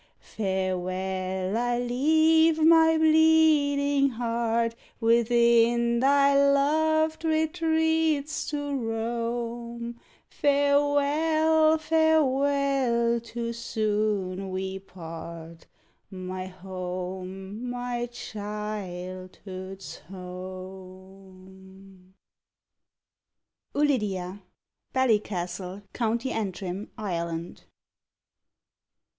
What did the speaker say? Farewell, I leave my bleeding heart Within thy loved retreats to roam; Farewell, farewell, too soon we part; My home, my childhood's home. Ballycastle, Co. Antrim, Ireland.